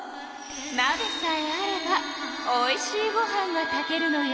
なべさえあればおいしいご飯が炊けるのよ。